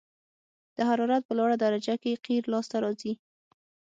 د حرارت په لوړه درجه کې قیر لاسته راځي